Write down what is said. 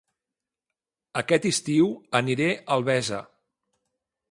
Aquest estiu aniré a Albesa